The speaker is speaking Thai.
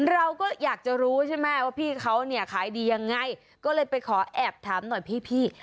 เราก็อยากจะรู้ใช่ไหมว่าพี่เขาเนี่ยขายดียังไงก็เลยไปขอแอบถามหน่อยพี่